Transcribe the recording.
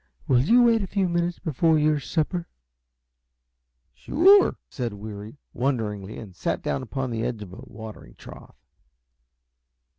Will you wait a few minutes more for your supper?" "Sure," said Weary; wonderingly, and sat down upon the edge of the watering trough.